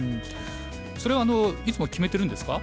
それいつも決めてるんですか？